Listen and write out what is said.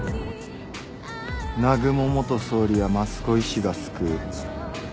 南雲元総理は益子医師が救う。